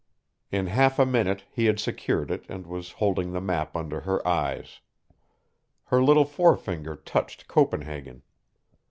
In half a minute he had secured it and was holding the map under her eyes. Her little forefinger touched Copenhagen.